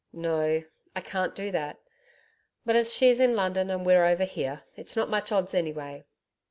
'No, I can't do that; but as she's in London and we're over here, it's not much odds anyway.